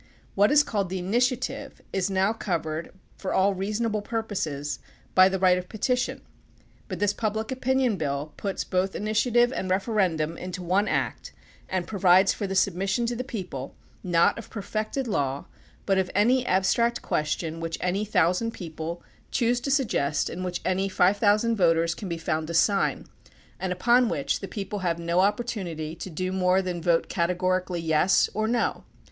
What is called the initiative is now covered, for aU reasonable purposes, by the right of petition, but this Public Opinion Bill puts both initia tive and referendum into one act and provides for the submission to the people not of perfected law but of any abstract question which any thousand people choose to suggest and which any five thousand voters can be found to sign, and upon which the people have no opportunity to do more than vote categorically "yes" or "no."